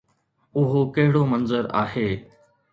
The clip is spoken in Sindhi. اهو ڪهڙو منظر آهي؟